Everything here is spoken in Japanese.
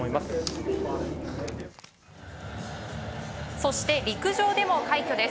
そして陸上でも快挙です。